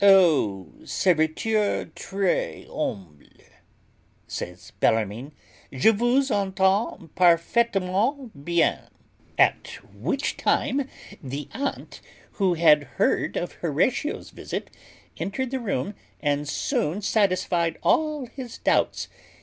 "Oh! serviteur tres humble," says Bellarmine: "Je vous entend parfaitment bien." At which time the aunt, who had heard of Horatio's visit, entered the room, and soon satisfied all his doubts.